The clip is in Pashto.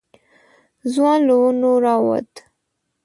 ځوان له ونو راووت.